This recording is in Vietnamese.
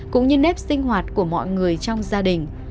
cũng như nếp sinh hoạt của mọi người trong gia đình